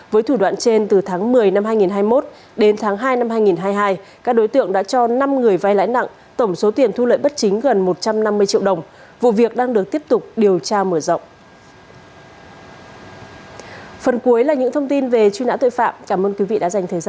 với thủ đoạn trên từ tháng một mươi năm hai nghìn hai mươi một đến tháng hai năm hai nghìn hai mươi hai các đối tượng đã cho năm người vai lãi nặng tổng số tiền thu lợi bất chính gần một trăm năm mươi triệu đồng vụ việc đang được tiếp tục điều tra mở rộng